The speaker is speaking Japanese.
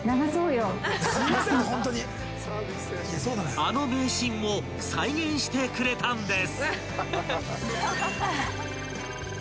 ［あの名シーンを再現してくれたんです］